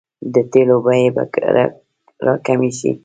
د تیلو بیې به راکمې شي؟